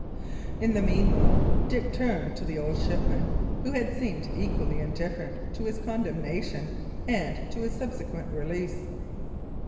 In the meanwhile, Dick turned to the old shipman, who had seemed equally indifferent to his condemnation and to his subsequent release.